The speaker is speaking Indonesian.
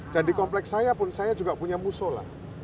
di kompleks saya pun saya juga punya musola